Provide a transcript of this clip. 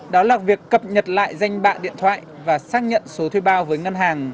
đó là việc cập nhật lại danh bạ điện thoại và xác nhận số thuê bao với ngân hàng